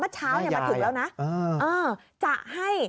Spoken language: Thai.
เมื่อเช้ายังมาถึงแล้วนะ